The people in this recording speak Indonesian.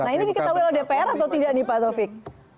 nah ini diketahui oleh dpr atau tidak nih pak taufik